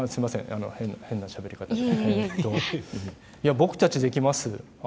僕たちできます！